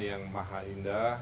yang maha indah